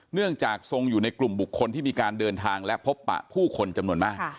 เนื่องจากทรงอยู่ในกลุ่มบุคคลที่มีการเดินทางและพบปะผู้คนจำนวนมาก